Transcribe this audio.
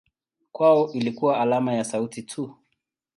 Kwao ilikuwa alama ya sauti tu.